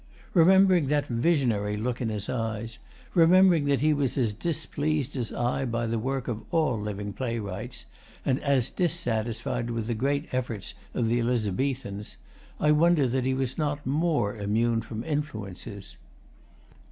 Remembering that visionary look in his eyes, remembering that he was as displeased as I by the work of all living playwrights, and as dissatisfied with the great efforts of the Elizabethans, I wonder that he was not more immune from influences.